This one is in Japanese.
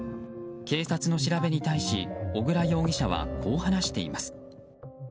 警察の調べに対し小倉容疑者は、こう話しています。